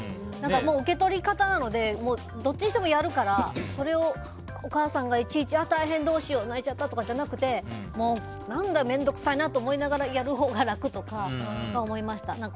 受け取り方なのでどっちにしてもやるからそれをお母さんがいちいち大変、どうしよう泣いちゃったとかじゃなくて何だ、面倒くさいなと思いながらやるほうが楽とか思いました。